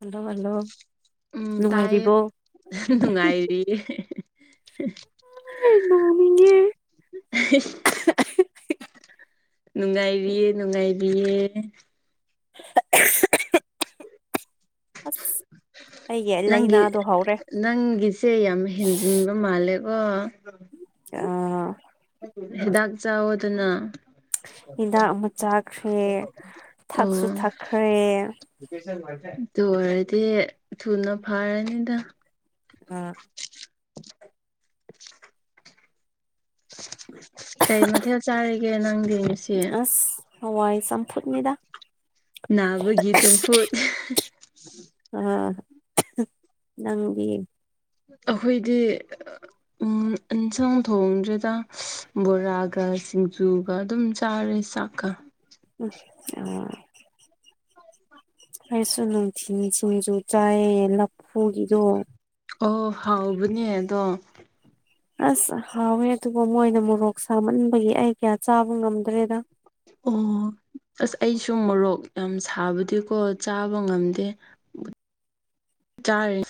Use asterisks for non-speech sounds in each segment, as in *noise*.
hello hello ꯎꯝ ꯇꯥꯏ ꯅꯨꯡꯉꯥꯏꯔꯤꯕꯣ ꯅꯨꯡꯉꯥꯏꯔꯤꯌꯦ ꯅꯣꯡꯅꯤꯡꯉꯦ *unintelligible* ꯅꯨꯡꯉꯥꯏꯔꯤꯌꯦ ꯅꯨꯡꯉꯥꯏꯕꯤꯌꯦ ꯑꯁ ꯑꯩꯒꯤ ꯅꯪꯒꯤ ꯂꯥꯏꯅꯥꯗꯣ ꯍꯧꯔꯦ ꯅꯪꯒꯤꯁꯦ ꯌꯥꯝ ꯍꯦꯟꯖꯤꯟꯕ ꯃꯥꯜꯂꯦꯀꯣ ꯌꯥꯝ ꯍꯤꯗꯥꯛ ꯆꯥꯋꯣꯗꯅ ꯍꯤꯗꯥꯛ ꯑꯃ ꯆꯥꯈ꯭ꯔꯦ ꯊꯛꯁꯨ ꯎꯝ ꯊꯛꯈ꯭ꯔꯦ ꯗꯨꯑꯥꯏꯔꯗꯤ ꯊꯨꯅ ꯐꯥꯔꯅꯤꯗ ꯑ ꯀꯩ ꯃꯊꯦꯜ ꯆꯥꯔꯤꯒꯦ ꯅꯪꯗꯤ ꯑꯁ ꯍꯋꯥꯏ ꯆꯝꯐꯨꯠꯅꯤꯗꯗꯥ ꯅꯥꯕꯒꯤ ꯆꯝꯐꯨꯠ ꯑ ꯅꯪꯕꯤ ꯑꯩꯈꯣꯏꯗꯤ ꯑꯦꯟꯁꯥꯡ ꯊꯣꯡꯗ꯭ꯗ ꯕꯣꯔꯥꯒ ꯁꯤꯡꯖꯨ ꯑꯗꯨꯒ ꯑꯗꯨꯝ ꯆꯥꯔꯦ ꯆꯥꯛꯀ ꯎ ꯑ ꯑꯩꯁꯨ ꯅꯨꯡꯊꯤ ꯁꯤꯡꯁꯨ ꯆꯥꯏꯌꯦ ꯂꯐꯨꯒꯤꯗꯣ ꯑꯣ ꯍꯥꯎꯕꯅꯦ ꯑꯗꯣ ꯑꯁ ꯍꯥꯎꯋꯦ ꯑꯗꯨꯕꯨ ꯃꯣꯏꯅ ꯃꯣꯔꯣꯛ ꯁꯥꯃꯟꯕꯒꯤ ꯑꯩ ꯀꯌꯥ ꯆꯥꯕ ꯉꯝꯗ꯭ꯔꯦꯗ ꯑꯣ ꯑꯁ ꯑꯩꯁꯨ ꯃꯣꯔꯣꯛ ꯌꯥꯝ ꯁꯥꯕꯗꯤꯀꯣ ꯆꯥꯕ ꯉꯝꯗꯦ *inaudible* ꯆꯥꯔꯤ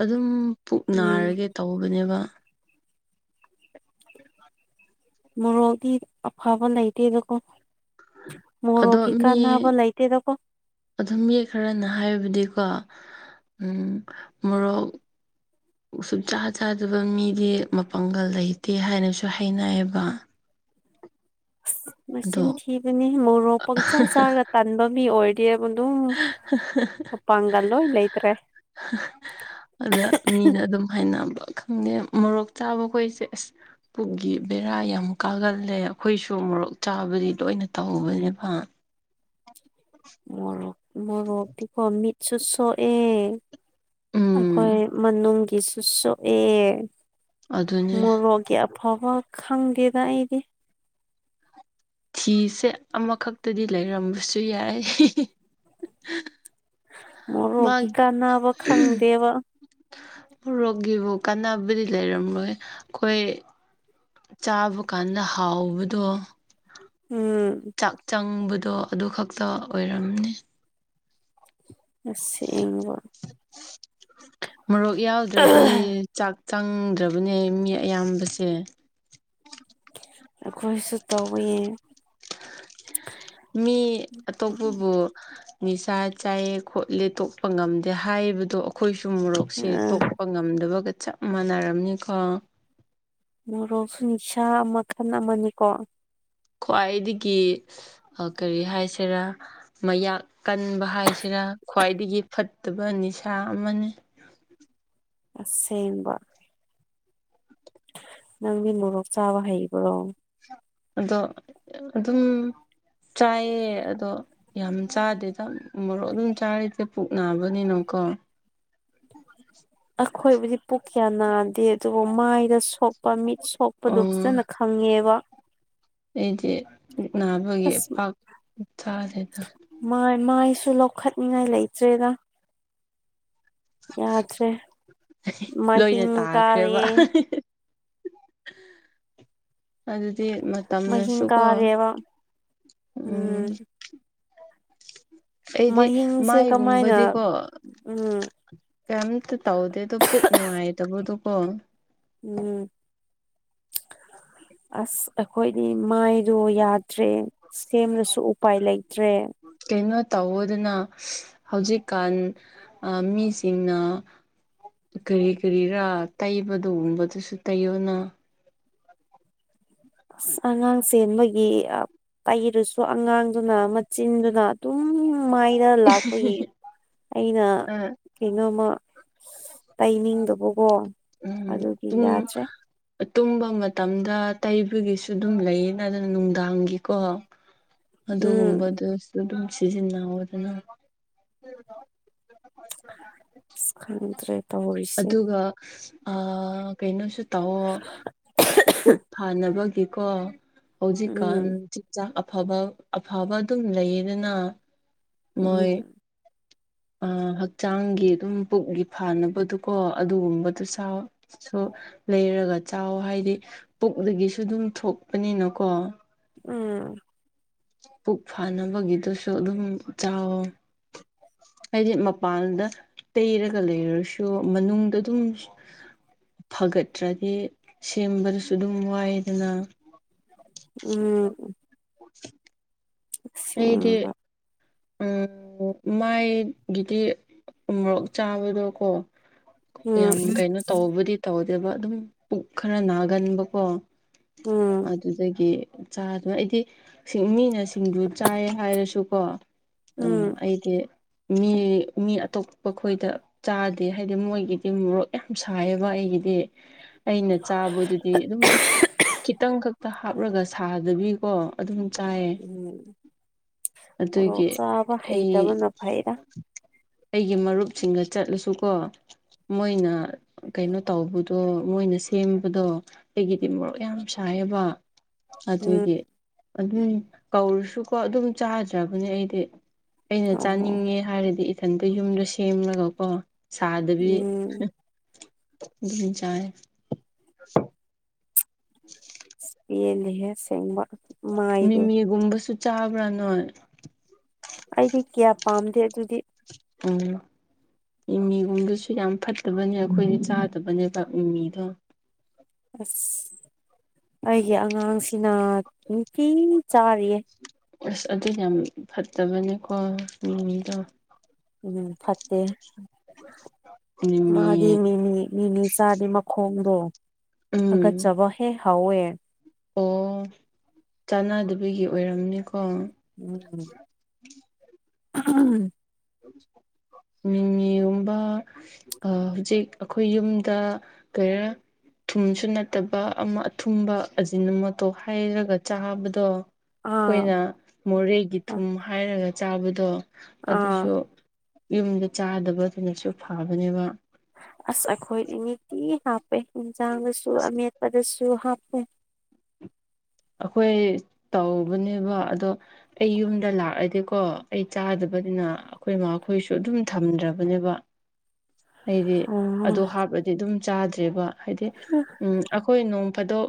ꯑꯗꯨꯝ ꯄꯨꯛ ꯎꯝ ꯅꯥꯔꯒꯦ ꯇꯧꯕꯅꯦꯕ ꯃꯣꯔꯣꯛꯗꯤ ꯑꯐꯕ ꯂꯩꯇꯦꯗꯀꯣ ꯑꯗꯣ ꯃꯣꯔꯣꯒꯤ ꯃꯤ ꯀꯥꯟꯅꯕ ꯂꯩꯇꯦꯗꯀꯣ ꯑꯗꯨꯝ ꯌꯦꯛ ꯈꯔꯅ ꯍꯥꯏꯕꯗꯤꯀꯣ ꯎꯝ ꯃꯣꯔꯣꯛ ꯎ ꯁꯨꯝ ꯆꯥ ꯆꯥꯗꯕ ꯃꯤꯗꯤ ꯃꯄꯥꯡꯒꯜ ꯂꯩꯇꯦ ꯍꯥꯏꯅꯁꯨ ꯍꯥꯏꯅꯩꯌꯦꯕ ꯑꯗꯣ ꯃꯆꯤꯟ ꯊꯤꯕꯅꯤ ꯃꯣꯔꯣꯛ ꯄꯪꯆꯥꯥ ꯆꯥꯔꯒ ꯇꯟꯕ ꯃꯤ ꯑꯣꯏ ꯏꯗꯤꯦꯕ ꯑꯗꯨ ꯑꯣꯄꯪꯜꯣ ꯏꯂ ꯂꯩꯇ꯭ꯔꯦ *unintelligible* ꯑꯗ ꯃꯤꯅ ꯑꯗꯨꯝ ꯍꯥꯏꯅꯕ ꯈꯪꯗꯦ ꯃꯣꯔꯣꯛ ꯆꯥꯕꯈꯣꯏꯁꯦ ꯑꯁ ꯄꯨꯛꯒꯤ ꯕꯦꯔꯥ ꯌꯥꯝ ꯀꯥꯒꯜꯂꯦ ꯑꯩꯈꯣꯏꯁꯨ ꯃꯣꯔꯣꯛ ꯆꯥꯕꯗꯤ ꯂꯣꯏꯅ ꯇꯧꯕꯅꯦꯕ ꯃꯣꯔꯣꯛ ꯃꯣꯔꯣꯛꯇꯤꯀꯣ ꯃꯤꯠꯁꯨ ꯁꯣꯛꯑꯦ ꯑꯩꯈꯣꯏ ꯎꯝ ꯃꯅꯨꯡꯒꯤꯁꯨ ꯁꯣꯛꯑꯦ ꯑꯗꯨꯅꯦ ꯃꯣꯔꯣꯛꯒꯤ ꯑꯐꯕ ꯈꯪꯒꯦꯗ ꯑꯩꯗꯤ ꯐꯤꯁꯦ ꯑꯃꯈꯛꯇꯗꯤ ꯂꯩꯔꯝꯕꯁꯨ ꯌꯥꯏ ꯃ ꯔꯒ ꯃꯥꯒꯤ ꯀꯥꯟꯅ ꯑꯕ ꯈꯪꯗꯦꯕ ꯄꯨꯔꯣꯛꯒꯤꯕꯨ ꯀꯥꯟꯅꯕꯗꯤ ꯂꯩꯔꯝꯂꯣꯏ ꯑꯩꯈꯣꯏ ꯆꯥꯕ ꯀꯥꯟꯗ ꯍꯥꯎꯕꯗꯣ ꯎꯝ ꯆꯥꯛ ꯆꯪꯕꯗꯣ ꯑꯗꯨ ꯈꯛꯇ ꯑꯣꯏꯔꯝꯅꯤ ꯑꯕꯣ ꯃꯣꯔꯣꯛ ꯌꯥꯎꯗ꯭ꯔꯗꯤ ꯆꯥꯛ ꯆꯪꯗ꯭ꯔꯕꯅꯦ ꯃꯤ ꯑꯌꯥꯝꯕꯁꯦ ꯑꯩꯈꯣꯏꯁꯨ ꯇꯧꯕꯌꯦ ꯃꯤ ꯑꯇꯣꯞꯄꯕꯨ ꯅꯤꯁꯥ ꯆꯥꯏꯌꯦ ꯈꯣꯠꯂꯦ ꯇꯣꯛꯄ ꯉꯝꯗꯦ ꯍꯥꯏꯕꯗꯣ ꯑꯩꯈꯣꯏꯁꯨ ꯃꯣꯔꯣꯛꯁꯦ ꯑꯥ ꯇꯣꯛ ꯉꯝꯗꯕꯒ ꯆꯞ ꯃꯥꯟꯅꯔꯝꯅꯤꯀꯣ ꯃꯣꯔꯣꯛꯁꯨ ꯅꯤꯁꯥ ꯃꯈꯟ ꯑꯃꯅꯤꯀꯣ ꯈ꯭ꯋꯥꯏꯗꯒꯤ ꯀꯔꯤ ꯍꯥꯏꯁꯤꯔꯥ ꯃꯌꯥꯛ ꯀꯟꯕ ꯍꯥꯏꯁꯤꯔꯥ ꯈ꯭ꯋꯥꯏꯗꯒꯤ ꯐꯠꯇꯕ ꯅꯤꯁꯥ ꯑꯃꯅꯤ ꯑꯁꯦꯡꯕ ꯅꯪꯗꯤ ꯃꯣꯔꯣꯛ ꯆꯥꯕ ꯍꯩꯕ꯭ꯔꯣ ꯑꯗꯣ ꯑꯗꯨꯝ ꯆꯥꯏꯌꯦ ꯑꯗꯣ ꯌꯥꯝ ꯆꯥꯗꯦꯗ ꯃꯔꯣꯛ ꯑꯗꯨꯝ ꯆꯥꯔꯤꯗ ꯄꯨꯛ ꯅꯥꯕꯅꯤꯅꯀꯣ ꯑꯈꯣꯏꯕꯨꯗꯤ ꯄꯨꯛ ꯀꯌꯥ ꯅꯥꯗꯦ ꯇꯣ ꯃꯥꯏꯗ ꯁꯣꯛꯄ ꯃꯤꯠ ꯁꯣꯛꯄꯗꯨ ꯑꯣ ꯐꯖꯅ ꯈꯪꯉꯦꯕ ꯑꯩꯗꯤ ꯃꯤꯠ ꯅꯥꯕꯒꯤ ꯑꯁ ꯄꯥꯛ ꯇꯥꯗꯦꯗ ꯃꯥꯏ ꯃꯥꯏꯁꯨ ꯂꯧꯈꯠꯅꯤꯉꯥꯏ ꯂꯩꯇ꯭ꯔꯦꯗ ꯌꯥꯗ꯭ꯔꯦ ꯂꯣꯏꯅ ꯃꯥꯏꯍꯤꯡ ꯀꯥꯔꯦ ꯇꯥꯈ꯭ꯔꯦꯕ ꯑꯗꯨꯗꯤ ꯃꯍꯤꯡ ꯃꯇꯝꯅꯁꯨꯀꯣ ꯀꯥꯔꯦꯕ ꯎꯝ ꯑꯩꯗꯤ ꯃꯍꯤꯡꯁꯦ ꯀꯃꯥꯏꯅ ꯃꯥꯏꯒꯨꯝꯕꯗꯤꯀꯣ ꯎꯝ ꯀꯩꯝꯇ ꯇꯧꯗꯦ ꯑꯗꯣ ꯄꯨꯛ ꯅꯨꯡꯉꯥꯏꯇꯕꯗꯨ ꯀꯣ ꯎꯝ ꯑꯁ ꯑꯩꯈꯣꯏꯗꯤ ꯃꯥꯏꯗꯣ ꯌꯥꯗꯦ ꯇ꯭ꯔꯦ ꯁꯦꯝꯕꯗꯁꯨ ꯎꯄꯥꯏ ꯂꯩꯇ꯭ꯔꯦ ꯀꯩꯅꯣ ꯇꯧꯕꯗꯨꯅ ꯍꯧꯖꯤꯛꯀꯥꯟ ꯑ ꯃꯤꯁꯤꯡꯅ ꯀꯔꯤ ꯀꯔꯤꯔꯥ ꯇꯩꯕꯗꯨꯒꯨꯝꯕꯗꯨꯁꯨ ꯇꯩꯌꯣꯅ ꯑꯁ ꯑꯉꯥꯡ ꯆꯦꯟꯕꯒꯤ ꯑꯥ ꯄꯩꯔꯁꯨ ꯑꯉꯥꯡꯗꯨꯅ ꯃꯆꯤꯟꯗꯨꯅ ꯑꯗꯨꯝ ꯃꯥꯏ ꯅ ꯂꯥꯛꯄꯒꯤ ꯑꯩꯅ ꯑ ꯀꯩꯅꯣꯝꯃ ꯇꯩꯅꯤꯡꯗꯧꯕꯀꯣ ꯎꯝ ꯄꯨꯡ ꯑꯇꯨꯝꯕ ꯃꯇꯝꯗ ꯇꯩꯕꯒꯤꯁꯨ ꯑꯗꯨꯝ ꯂꯩꯌꯦꯅ ꯑꯗꯨꯅ ꯅꯨꯡꯗꯥꯡꯒꯤꯀꯣ ꯎꯝ ꯑꯗꯨꯒꯨꯝꯕꯗꯨꯁꯨ ꯑꯗꯨꯝ ꯁꯤꯖꯤꯟꯅꯧꯗꯅ ꯑꯁ ꯈꯪꯗ꯭ꯔꯦ ꯇꯧꯔꯤꯁꯦ ꯑꯗꯨꯒ ꯑ ꯀꯩꯅꯣꯁꯨ ꯇꯧꯑꯣ ꯄꯨꯛ ꯐꯥꯅꯕꯒꯤ ꯀꯣ ꯍꯧꯖꯤꯛꯀꯥꯟ ꯎꯝ ꯆꯤꯟꯖꯥꯛ ꯑꯐꯕ ꯑꯐꯕ ꯑꯗꯨꯝ ꯂꯩꯌꯦꯗꯅ ꯃꯣꯏ ꯎꯝ *unintelligible* ꯑ ꯍꯛꯆꯥꯡꯒꯤ ꯑꯗꯨꯝ ꯄꯨꯛꯒꯤ ꯐꯅꯕꯗꯨꯀꯣ ꯑꯗꯨꯒꯨꯝꯕꯗꯨ ꯆꯥꯎ ꯁꯣ ꯂꯩꯔꯒ ꯆꯥꯎ ꯍꯥꯏꯗꯤ ꯄꯨꯛꯗꯒꯤꯁꯨ ꯑꯗꯨꯝ ꯊꯣꯛꯄꯅꯤꯅꯀꯣ ꯎꯝ ꯄꯨꯛ ꯐꯥꯅꯕꯒꯤꯗꯨꯁꯨ ꯑꯗꯨꯝ ꯆꯥꯎ ꯑꯩꯗꯤ ꯃꯄꯥꯟꯗ ꯇꯩꯔꯒ ꯂꯩꯔꯁꯨ ꯃꯅꯨꯡꯗ ꯑꯗꯨꯝ ꯐꯒꯠꯇ꯭ꯔꯗꯤ ꯁꯦꯝꯕꯗꯁꯨ ꯑꯗꯨꯝ ꯋꯥꯏꯗꯅ ꯎꯝ ꯑꯩꯗꯤ ꯑꯁꯦꯡꯕ ꯎꯝ ꯃꯥꯏꯒꯤꯗꯤ ꯎ ꯃꯣꯔꯣꯛ ꯆꯥꯕꯗꯣꯀꯣ ꯎꯝ ꯌꯥꯝ ꯀꯩꯅꯣ ꯇꯧꯕꯗꯤ ꯇꯧꯗꯦꯕ ꯑꯗꯨꯝ ꯄꯨꯛ ꯈꯔ ꯅꯥꯒꯟꯕꯀꯣ ꯎꯝ ꯑꯗꯨꯗꯒꯤ ꯆꯥꯗꯕ ꯑꯩꯗꯤ ꯁꯤ ꯃꯤꯅ ꯁꯤꯡꯖꯨ ꯆꯥꯏ ꯍꯥꯏꯔꯁꯨꯀꯣ ꯎ ꯎꯝ ꯑꯩꯗꯤ ꯃꯤ ꯃꯤ ꯑꯇꯣꯞꯄ ꯈꯣꯏꯗ ꯆꯥꯗꯦ ꯍꯥꯏꯗꯤ ꯃꯣꯏꯒꯤꯗꯤ ꯃꯣꯔꯣꯛ ꯌꯥꯝ ꯁꯥꯏꯑꯦꯕ ꯑꯩꯒꯤꯗꯤ ꯑꯩꯅ ꯆꯥꯕꯗꯨꯗꯤ ꯑꯗꯨꯝ ꯈꯤꯇꯪ ꯈꯛꯇ ꯍꯥꯞꯔꯒ ꯁꯥꯗꯕꯤꯀꯣ ꯑꯗꯨꯝ ꯆꯥꯏꯌꯦ ꯎꯝ ꯑꯗꯨꯒꯤ ꯕ ꯑꯩ ꯍꯩꯇꯕꯅ ꯐꯩꯗ ꯑꯩꯒꯤ ꯃꯔꯨꯞꯁꯤꯡꯒ ꯆꯠꯂꯁꯨꯀꯣ ꯃꯣꯏꯅ ꯀꯩꯅꯣ ꯇꯧꯕꯗꯣ ꯃꯣꯏꯅ ꯁꯦꯝꯕꯗꯣ ꯑꯩꯒꯤꯗꯤ ꯃꯣꯔꯣꯛ ꯌꯥꯝ ꯁꯥꯏꯑꯦꯕ ꯎꯝ ꯑꯗꯨꯒꯤ ꯑꯗꯨꯝ ꯀꯧꯔꯁꯨꯀꯣ ꯑꯗꯨꯝ ꯆꯥꯗ꯭ꯔꯕꯅꯦ ꯑꯩꯗꯤ ꯑꯩꯅ ꯑꯣꯍꯣ ꯆꯥꯅꯤꯡꯉꯦ ꯍꯥꯏꯔꯗꯤ ꯏꯊꯟꯇ ꯌꯨꯝꯗ ꯁꯦꯝꯂꯒꯀꯣ ꯁꯥꯗꯕꯤ ꯎꯝ ꯗꯨꯝ ꯆꯥꯢ *unintelligible* *unintelligible* ꯄꯦꯜꯂꯤꯍꯦ ꯑꯁꯦꯡꯕ ꯃꯥꯏꯗꯣ ꯃꯤꯃꯤꯒꯨꯝꯕꯁꯨ ꯆꯥꯕ꯭ꯔꯥ ꯅꯣꯏ ꯑꯩꯗꯤ ꯀꯌꯥ ꯄꯥꯝꯗꯦ ꯑꯗꯨꯗꯤ ꯎꯝ ꯃꯤꯃꯤꯒꯨꯝꯕꯁꯨ ꯌꯥꯝ ꯐꯠꯇꯕꯅꯦ ꯑꯈꯣꯏꯗꯤ ꯆꯥꯗꯕꯅꯦꯕ ꯃꯤꯃꯤꯗꯣ ꯑꯁ ꯑꯩꯒꯤ ꯑꯉꯥꯡꯁꯤꯅ ꯆꯥꯔꯤꯌꯦ ꯑꯁ ꯑꯗꯨ ꯌꯥꯝ ꯐꯠꯇꯕꯅꯦꯀꯣ ꯑꯗꯨ ꯃꯤꯗꯣ ꯎꯝ ꯐꯠꯇꯦ ꯃꯤꯃꯤ ꯃꯥꯗꯤ ꯃꯤꯃꯤ ꯃꯤꯃꯤ ꯆꯥꯗꯤ ꯃꯈꯣꯡꯗꯣ ꯎꯝ ꯍꯥꯒꯠꯆꯕ ꯍꯦꯛ ꯍꯧꯋꯦ ꯑꯣ ꯆꯥꯟꯅꯗꯕꯒꯤ ꯑꯣꯏꯔꯝꯅꯤꯀꯣ *unintelligible* ꯃꯤꯃꯤ ꯒꯨꯝꯕ ꯍꯧꯖꯤꯛ ꯑꯈꯣꯏ ꯌꯨꯝꯗ ꯀꯩꯔ ꯊꯨꯝꯁꯨ ꯅꯠꯇꯕ ꯑꯃ ꯑꯊꯨꯝꯕ ꯑꯖꯤꯅ ꯃꯣꯇꯣꯔ ꯍꯥꯏꯔꯒ ꯆꯥꯕꯗꯣ ꯑꯥ ꯑꯈꯣꯏꯅ ꯃꯣꯔꯦꯒꯤ ꯊꯨꯝ ꯍꯥꯏꯔꯒ ꯆꯥꯕꯗꯣ ꯑꯗꯨꯁꯨ ꯑꯥ ꯌꯨꯝꯗ ꯆꯥꯗꯕꯅꯁꯨ ꯐꯕꯅꯦꯕ ꯑꯁ ꯑꯈꯣꯏꯗꯤ ꯅꯤꯇꯤ ꯍꯥꯞꯄꯦ ꯑꯦꯟꯁꯥꯡꯗꯁꯨ ꯑꯃꯦꯠꯄꯗꯁꯨ ꯍꯥꯞꯄꯦ ꯑꯈꯣꯏ ꯇꯧꯕꯅꯦꯕ ꯑꯗꯣ ꯑꯩ ꯌꯨꯝꯗ ꯂꯥꯛꯑꯗꯤꯀꯣ ꯑꯩ ꯆꯥꯗꯕꯅꯤꯅ ꯑꯩꯈꯣꯏꯃꯈꯣꯏꯁꯨ ꯑꯗꯨꯝ ꯊꯝꯗ꯭ꯔꯕꯅꯦꯕ ꯑꯩꯗꯤ ꯑꯗꯨ ꯍꯥꯞꯄꯗꯤ ꯑꯗꯨꯝ ꯆꯥꯗ꯭ꯔꯦꯕ ꯍꯥꯏꯗꯤ ꯎꯝ ꯑꯈꯣꯏ ꯅꯣꯡ ꯐꯥꯗꯣꯛ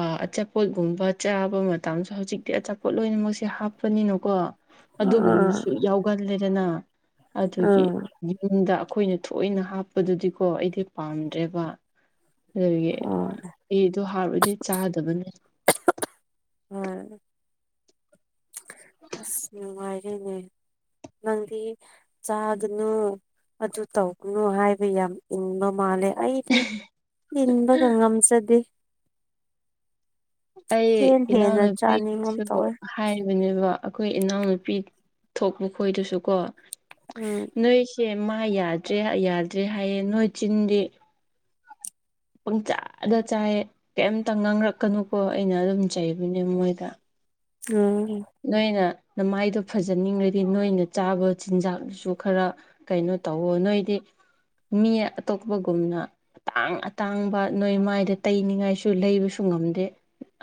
ꯑ ꯑꯆꯥꯄꯣꯠ ꯒꯨꯝꯕ ꯆꯥꯕ ꯃꯇꯝꯁꯨ ꯍꯧꯖꯤꯛꯇꯤ ꯑꯆꯥꯄꯣꯠ ꯂꯣꯏꯅꯃꯛꯁꯦ ꯍꯥꯞꯄꯅꯤꯅꯀꯣ ꯑꯗꯨꯒꯨꯝꯕꯁꯨ ꯌꯥꯎꯒꯜꯂꯦꯗꯅ ꯑꯗꯨꯒꯤ ꯌꯨꯝꯗ ꯑꯩꯥꯈꯣꯏꯅ ꯊꯣꯏꯅ ꯍꯥꯞꯄꯗꯨꯗꯤꯀꯣ ꯑꯩꯗꯤ ꯄꯥꯝꯗ꯭ꯔꯦꯕ ꯑꯗꯨꯗꯨꯒꯤ ꯑꯩꯗꯣ ꯍꯥꯔ ꯑꯣꯏꯔꯗꯤ ꯆꯥꯗꯕꯅꯤ ꯎꯝ ꯑꯁ ꯅꯨꯡꯉꯥꯏꯔꯦꯅꯦ ꯅꯪꯗꯤ ꯆꯥꯒꯅꯨ ꯑꯗꯨ ꯇꯧꯒꯅꯨ ꯍꯥꯏꯕ ꯌꯥꯝ ꯏꯪꯕ ꯃꯥꯜꯂꯦ ꯑꯩꯗꯤ ꯢꯟꯕꯒ ꯉꯝꯖꯗꯦ ꯍꯦꯟ ꯑꯩ ꯍꯦꯟꯅ ꯏꯅꯥꯎꯅꯨꯄꯤ ꯆꯥꯅꯤꯡꯒꯨꯝ ꯗꯨꯁꯨ ꯇꯧꯋꯦ ꯍꯥꯏꯕꯅꯦꯕ ꯑꯈꯣꯏ ꯏꯅꯥꯎꯅꯨꯄꯤ ꯊꯣꯛꯄ ꯈꯣꯏꯗꯁꯨ ꯀꯣ ꯎꯝ ꯅꯣꯏꯁꯦ ꯃꯥ ꯌꯥꯗ꯭ꯔꯦ ꯌꯥꯗ꯭ꯔꯦ ꯍꯥꯏꯌꯦ ꯅꯣꯏ ꯆꯤꯟꯗꯤ ꯄꯪꯆꯥꯥꯗ ꯆꯥꯏ ꯀꯩꯝꯇ ꯉꯥꯡꯔꯛꯀꯅꯨꯀꯣ ꯑꯩꯅ ꯑꯗꯨꯝ ꯆꯩꯕꯅꯦ ꯃꯣꯏꯗ ꯎꯝ ꯅꯣꯏꯅ ꯅꯃꯥꯏꯗꯣ ꯐꯖꯅꯤꯡꯉꯗꯤ ꯅꯣꯏꯅ ꯆꯥꯕ ꯆꯤꯟꯖꯥꯛꯁꯨ ꯈꯔ ꯀꯩꯅꯣ ꯇꯧꯋꯣ ꯅꯣꯏꯗꯤ ꯃꯤ ꯑꯇꯣꯞꯄꯒꯨꯝꯅ ꯑꯇꯥꯡ ꯑꯇꯥꯡꯕ ꯅꯣꯏ ꯃꯥꯏꯗ ꯇꯩꯅꯤꯡꯉꯥꯏꯁꯨ ꯂꯩꯕꯁꯨ ꯉꯝꯗꯦ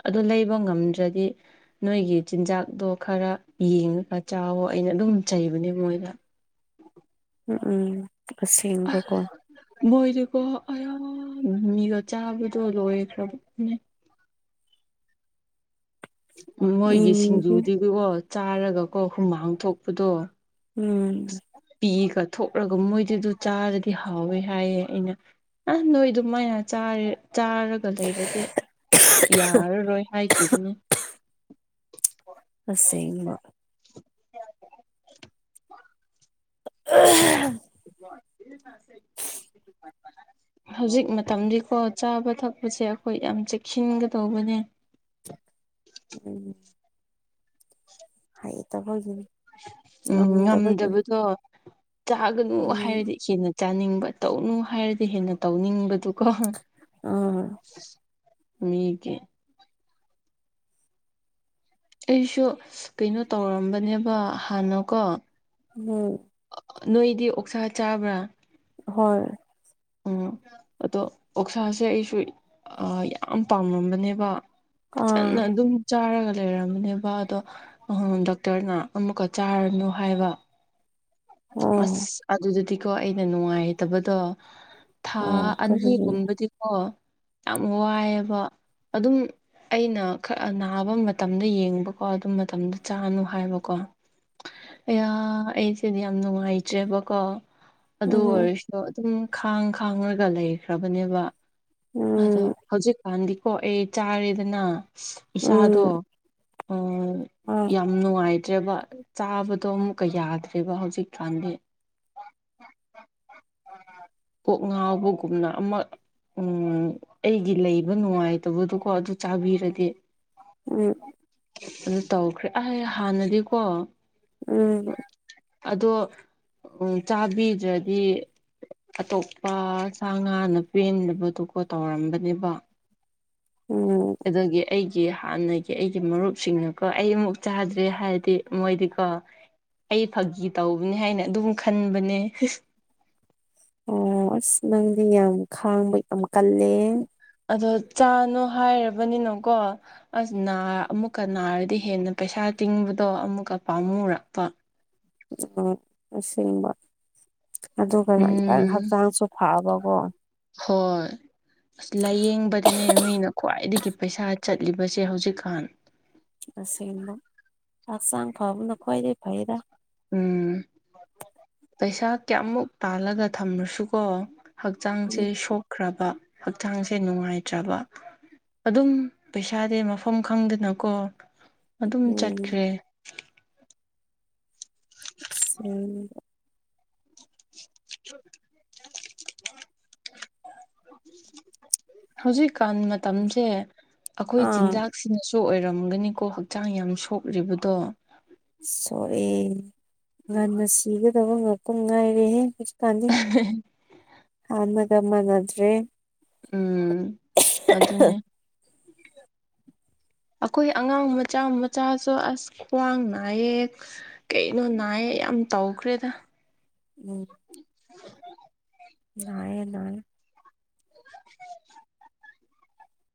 ꯑꯗꯨ ꯂꯩꯕ ꯉꯝꯗ꯭ꯔꯗꯤ ꯅꯣꯏꯒꯤ ꯆꯤꯟꯖꯥꯛꯇꯣ ꯈꯔ ꯌꯦꯡꯉꯒ ꯆꯥꯋꯣ ꯑꯩꯅ ꯑꯗꯨꯝ ꯆꯩꯕꯅꯦ ꯃꯣꯏꯗ ꯎꯝ ꯎꯝ ꯑꯁꯦꯡꯕꯀꯣ ꯃꯣꯏꯗꯨꯀꯣ ꯑꯌꯥ ꯃꯤꯃꯤꯒ ꯆꯥꯕꯗꯣ ꯂꯣꯏꯈ꯭ꯔꯕꯅꯦ ꯃꯤ ꯃꯣꯏꯒꯤ ꯃꯤꯒꯤ ꯁꯤꯡꯖꯨꯗꯤꯀꯣ ꯆꯥꯔꯒꯀꯣ ꯍꯨꯃꯥꯡ ꯊꯣꯛꯄꯗꯣ ꯎꯝ ꯄꯤꯒ ꯊꯣꯛꯂꯒ ꯃꯣꯏꯗꯨ ꯑꯗꯨ ꯆꯥꯔꯗꯤ ꯍꯥꯎꯋꯦ ꯍꯥꯏꯌꯦ ꯑꯩꯅ ꯑ ꯅꯣꯏꯗꯨ ꯃꯅ ꯆꯥꯔꯦ ꯆꯥ ꯑ ꯂꯩꯔꯗꯤ ꯌꯥꯔꯔꯣꯏ ꯍꯥꯏꯈꯤꯕꯅꯤ ꯑꯁꯦꯡꯕ *unintelligible* *unintelligible* *unintelligible* *inaudible* ꯍꯧꯖꯤꯛ ꯃꯇꯝꯗꯤꯀꯣ ꯆꯥꯕ ꯊꯛꯄꯁꯦ ꯑꯩꯈꯣꯏ ꯌꯥꯝ ꯆꯦꯛꯁꯤꯟꯒꯗꯧꯕꯅꯦ ꯎꯝ ꯎ ꯍꯥꯏ ꯇ ꯍꯒ ꯎꯝ ꯉꯝꯗꯕꯗꯣ ꯆꯥꯒꯅꯨ ꯎꯝ ꯍꯥꯏꯔꯗꯤ ꯍꯦꯟꯅ ꯆꯥꯅꯤꯡꯕ ꯇꯧꯅꯨ ꯍꯥꯏꯔꯗꯤ ꯍꯦꯟꯅ ꯇꯧꯅꯤꯡꯕꯗꯨ ꯀ ꯑꯥ ꯃꯤ ꯀꯦ ꯑꯩꯁꯨ ꯀꯩꯅꯣ ꯇꯧꯔꯝꯕꯅꯦꯕ ꯍꯥꯟꯅꯀꯣ ꯎꯝ ꯅꯣꯏꯗꯤ ꯑꯣꯛꯁꯥ ꯆꯥꯕ꯭ꯔꯥ ꯍꯣꯏ ꯑꯣ ꯑꯗꯣ ꯑꯣꯛꯁꯥꯁꯦ ꯑꯩꯁꯨ ꯌꯥꯝ ꯄꯥꯝꯃꯝꯕꯅꯦꯕ ꯑꯥ ꯐꯖꯅ ꯑꯗꯨꯝ ꯆꯥꯔꯒ ꯂꯩꯔꯝꯝꯕꯅꯦꯕ ꯑꯗꯣ ꯗꯣꯛꯇꯔꯅ ꯑꯃꯨꯛꯀ ꯆꯥꯔꯅꯨ ꯍꯥꯏꯕ ꯑꯁ ꯑꯣ ꯑꯗꯨꯗꯨꯗꯤꯀꯣ ꯑꯩꯅ ꯅꯨꯡꯉꯥꯏꯇꯕꯗꯣ ꯊꯥ ꯑꯣ ꯀꯔꯤ ꯑꯅꯤꯒꯨꯝꯕꯗꯤꯀꯣ ꯌꯥꯝ ꯋꯥꯏꯑꯦꯕ ꯑꯗꯨꯝ ꯑꯩꯅ ꯈꯔ ꯅꯥꯕ ꯃꯇꯝꯗ ꯌꯦꯡꯕꯀꯣ ꯑꯗꯨꯝ ꯃꯇꯝꯗ ꯆꯥꯅꯨ ꯍꯥꯏꯕꯀꯣ ꯑ ꯑꯩꯁꯦꯗꯤ ꯌꯥꯝ ꯅꯨꯡꯉꯥꯏꯇ꯭ꯔꯦꯕꯀꯣ ꯑꯗꯨ ꯎꯝ ꯑꯣꯏꯔꯁꯤ ꯑꯗꯣ ꯑꯗꯨꯝ ꯈꯥꯡ ꯈꯥꯡꯉꯒ ꯂꯩꯈ꯭ꯔꯕꯅꯦꯕ ꯎꯝ ꯑꯗꯣ ꯍꯧꯖꯤꯛꯀꯥꯟꯗꯤꯀꯣ ꯑꯩ ꯆꯥꯔꯦꯗꯅ ꯏꯁꯥꯗꯣ ꯑꯣ ꯑꯣ ꯌꯥꯝ ꯅꯨꯡꯉꯥꯏꯇ꯭ꯔꯦꯕ ꯆꯥꯕꯗꯣ ꯑꯃꯨꯛꯀ ꯌꯥꯗ꯭ꯔꯦ ꯑꯗꯨꯒꯕ ꯍꯧꯖꯤꯛ ꯀꯥꯟꯗꯤ *inaudible* ꯀꯣꯛ ꯉꯥꯎꯕꯒꯨꯝꯅ ꯑꯃ ꯎꯝ ꯑꯩꯒꯤ ꯂꯩꯕ ꯅꯨꯡꯉꯥꯏꯇꯕꯗꯣꯀꯣ ꯑꯗꯨ ꯆꯥꯕꯤꯔꯒꯦ ꯎꯝ ꯑꯗꯨ ꯇꯧꯈ꯭ꯔꯦ ꯑꯩ ꯍꯥꯟꯅꯗꯤꯀꯣ *unintelligible* ꯑꯗꯣ ꯎ ꯆꯥꯕꯤꯗ꯭ꯔꯗꯤ ꯑꯇꯣꯞꯄ ꯁꯥ ꯉꯥꯅ ꯄꯦꯟꯗꯕꯗꯨꯀꯣ ꯇꯧꯔꯝꯕꯅꯦꯕ ꯑꯣ ꯑꯗꯨꯗꯒꯤ ꯑꯩꯒꯤ ꯍꯥꯟꯅꯒꯤ ꯑꯩꯒꯤ ꯃꯔꯨꯞꯁꯤꯡꯅꯀꯣ ꯑꯩ ꯑꯃꯨꯛ ꯆꯥꯗ꯭ꯔꯦ ꯍꯥꯏꯔꯗꯤ ꯃꯣꯏꯗꯤꯀꯣ ꯑꯩ ꯐꯥꯒꯤ ꯇꯧꯕꯅꯤ ꯍꯥꯏꯅ ꯑꯗꯨꯝ ꯈꯟꯕꯅꯦ ꯑꯣ ꯑꯁ ꯅꯪꯗꯤ ꯌꯥꯝ ꯈꯥꯡꯕ ꯌꯥꯝ ꯀꯜꯂꯦ ꯑꯗꯣ ꯆꯥꯅꯣ ꯍꯥꯏꯔꯕꯅꯤꯅꯀꯣ ꯑꯁ ꯑꯃꯨꯛꯀ ꯅꯥꯔꯗꯤ ꯍꯦꯟꯅ ꯄꯩꯁꯥ ꯇꯤꯡꯕꯗꯣ ꯑꯃꯨꯛꯀ ꯄꯥꯝꯃꯨꯔꯛꯄ ꯎ ꯏꯁꯤꯡꯕ ꯑꯗꯨꯒ ꯀꯩꯅꯣ ꯏ ꯎꯝ ꯍꯛꯆꯥꯡꯁꯨ ꯐꯕꯀꯣ ꯍꯣꯏ ꯑꯁ ꯂꯥꯏꯌꯦꯡꯕꯗꯅꯦ ꯃꯤꯅ ꯈ꯭ꯋꯥꯏꯗꯒꯤ ꯄꯩꯁꯥ ꯆꯠꯂꯤꯕꯁꯦ ꯍꯧꯖꯤꯛꯀꯥꯟ ꯑꯁꯤꯦꯡꯕ ꯍꯛꯆꯥꯡ ꯐꯕꯅ ꯈ꯭ꯋꯥꯏꯗꯒꯤꯩ ꯐꯩꯔ ꯎꯝ ꯄꯩꯁꯥ ꯀꯌꯥꯃꯨꯛ ꯄꯥꯜꯂꯒ ꯊꯝꯂꯁꯨꯀꯣ ꯍꯛꯆꯥꯡꯁꯦ ꯎꯝ ꯁꯣꯛꯈ꯭ꯔꯕ ꯍꯛꯆꯥꯡꯁꯦ ꯅꯨꯡꯉꯥꯏꯇ꯭ꯔꯕ ꯑꯗꯨꯝ ꯄꯩꯁꯥꯗꯤ ꯃꯐꯝ ꯈꯪꯗꯅꯀꯣ ꯑꯗꯨꯝ ꯎꯝ ꯆꯠꯈ꯭ꯔꯦ ꯎ ꯍꯧꯖꯤꯛꯀꯥꯟ ꯃꯇꯝꯁꯦ ꯑꯩꯈꯣꯏ ꯑꯥ ꯆꯤꯟꯖꯥꯛ ꯁꯤꯅꯁꯨ ꯑꯣꯏꯔꯝꯒꯅꯤꯀꯣ ꯍꯛꯆꯥꯡ ꯌꯥꯝ ꯁꯣꯛꯂꯤꯕꯗꯣ ꯁꯣꯛꯌꯦ ꯉꯟꯅ ꯁꯤꯒꯗꯕ ꯉꯥꯛꯇ ꯉꯥꯏꯔꯦꯍꯦ ꯀꯅꯤ ꯍ *inaudible* ꯃꯒꯃꯅꯗ꯭ꯔꯦ ꯎꯝ ꯑꯗꯨꯅꯦ ꯑꯩꯈꯣꯏ ꯑꯉꯥꯡ ꯃꯆꯥ ꯃꯆꯥꯁꯨ ꯑꯁ ꯈ꯭ꯋꯥꯡ ꯅꯥꯌꯦ ꯀꯩꯅꯣ ꯅꯥꯏꯌꯦ ꯌꯥꯝ ꯇꯧꯈ꯭ꯔꯦꯗ ꯎꯝ *inaudible* ꯅꯥꯢꯌꯦ ꯅꯥꯢꯌꯦ